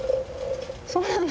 そうなの？